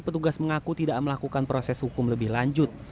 petugas mengaku tidak melakukan proses hukum lebih lanjut